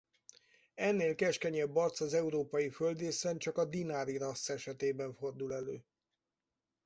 Ennél keskenyebb arc az európai földrészen csak a dinári rassz esetében fordul elő.